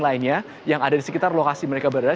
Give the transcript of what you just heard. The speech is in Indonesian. lainnya yang ada di sekitar lokasi mereka berada